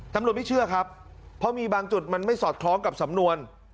ไม่เชื่อครับเพราะมีบางจุดมันไม่สอดคล้องกับสำนวน